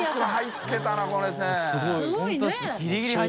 すごいね！